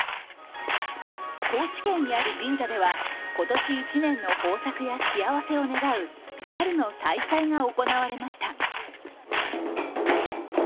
高知県にある神社では今年一年の豊作や幸せを願う春の大祭が行われました。